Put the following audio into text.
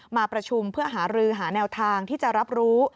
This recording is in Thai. มาประชุมเพื่อหารือหาแนวทางที่จะรับรู้